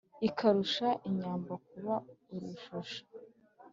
Ikarusha inyambo kuba urujuju,